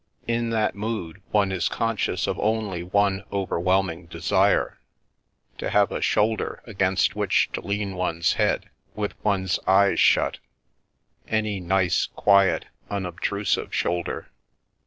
In that mood one is conscious of only one overwhelming desire — to have a shoulder against which to lean one's head, with one's eyes shut — any nice, quiet, unobtrusive shoulder.